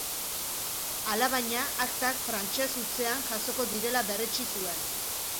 Alabaina, aktak frantses hutsean jasoko direla berretsi zuen.